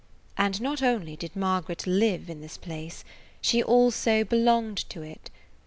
And not only did Margaret live in this place; she also belonged to it.